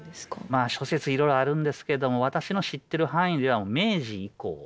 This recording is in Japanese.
まあ諸説いろいろあるんですけども私の知ってる範囲では明治以降。